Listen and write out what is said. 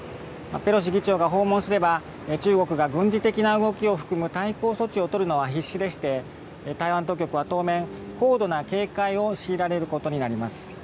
ペロシ議長が訪問すれば中国が軍事的な動きを含む対抗措置を取るのは必至でして台湾当局は当面、高度な警戒を強いられることになります。